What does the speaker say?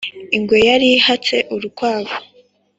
ingwe yari ihatse urukwavu